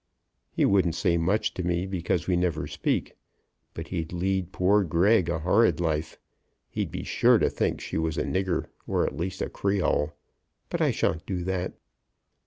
He wouldn't say much to me, because we never speak, but he'd lead poor Greg a horrid life. He'd be sure to think she was a nigger, or at least a Creole. But I shan't do that."